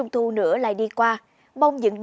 thưa quý vị